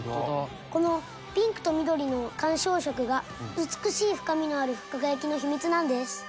このピンクと緑の干渉色が美しい深みのある輝きの秘密なんです。